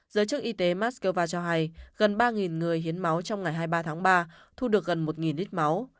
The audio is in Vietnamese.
giới chức y tế moscow cho hay gần ba người hiến máu trong ngày hai mươi ba tháng ba thu được gần một lít máu